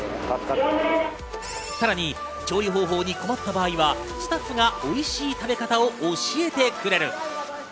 さらに調理方法に困った場合はスタッフがおいしい食べ方を教えてくれる。